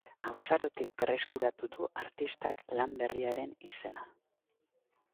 Haurtzarotik berreskuratu du artistak lan berriaren izena.